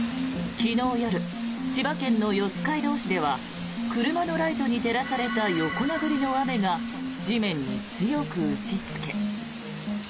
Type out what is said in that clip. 昨日夜、千葉県の四街道市では車のライトに照らされた横殴りの雨が地面に強く打ちつけ。